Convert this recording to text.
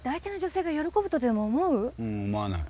ううん思わない。